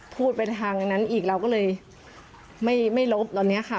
พูดไปทางนั้นอีกเราก็เลยไม่ลบตอนนี้ค่ะ